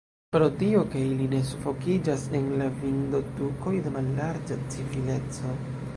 Pro tio, ke ili ne sufokiĝas en la vindotukoj de mallarĝa civilizeco.